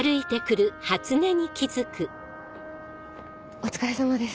お疲れさまです。